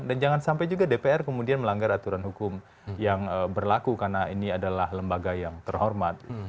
dan jangan sampai juga dpr kemudian melanggar aturan hukum yang berlaku karena ini adalah lembaga yang terhormat